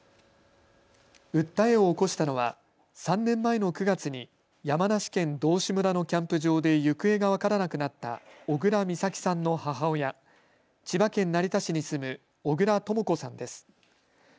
訴えを起こしたのは３年前の９月に山梨県道志村のキャンプ場で行方が分からなくなった小倉美咲さんの母親、千葉県成田市に住む小倉とも子さんです。